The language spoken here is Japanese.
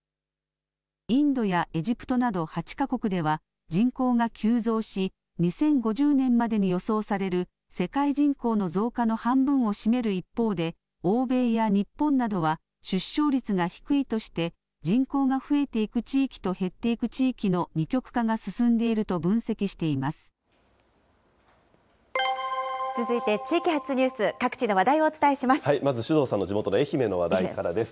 インドやエジプトなど８か国では人口が急増し、２０５０年までに予想される世界人口の増加の半分を占める一方で、欧米や日本などは出生率が低いとして、人口が増えていく地域と減っていく地域の二極化が進んでいると分続いて地域発ニュース、まず首藤さんの地元の愛媛の話題からです。